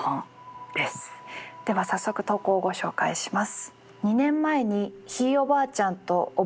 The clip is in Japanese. では早速投稿をご紹介します。